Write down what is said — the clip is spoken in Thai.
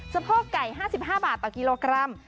สะโพกไก่๕๕บาทต่อกิโลกรัม